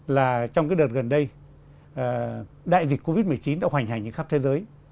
là trong cái đợt gần đây đại dịch covid một mươi chín đã hoành hành trên khắp thế giới